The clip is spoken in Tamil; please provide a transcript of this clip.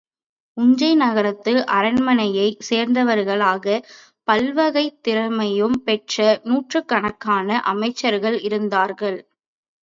உஞ்சைநகரத்து அரண்மனையைச் சேர்ந்தவர்களாகப் பல்வகைத் திறமையும் பெற்ற நூற்றுக்கணக்கான அமைச்சர்கள் இருந்தார்கள்.